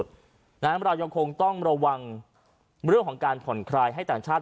เรายังคงต้องระวังเรื่องของการผ่อนคลายให้ต่างชาติ